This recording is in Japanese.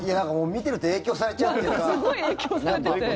見てると影響されちゃうというか。